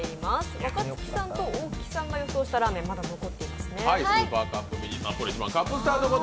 若槻さんと大木さんが予想したラーメン、まだ残ってますね。